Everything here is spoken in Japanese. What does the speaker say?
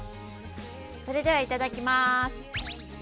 それではいただきます！